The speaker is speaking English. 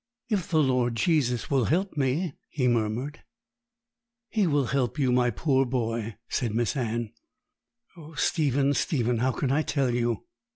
'If the Lord Jesus will help me,' he murmured. 'He will help you, my poor boy,' said Miss Anne 'Oh, Stephen, Stephen, how can I tell you?